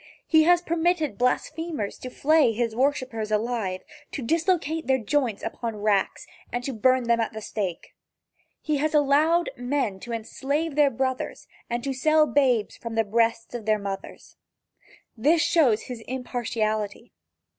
He has permitted blasphemers to flay his worshipers alive, to dislocate their joints upon racks, and to burn them at the stake. He has allowed men to enslave their brothers and to sell babes from the breasts of mothers. This shows his impartiality.